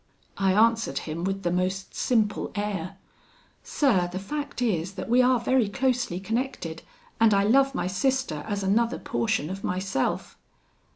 I answered him, with the most simple air 'Sir, the fact is, that we are very closely connected, and I love my sister as another portion of myself.'